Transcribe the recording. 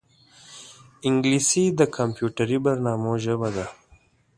انګلیسي د کمپیوټري برنامو ژبه ده